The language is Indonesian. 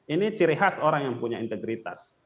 ini ciri khas orang yang punya integritas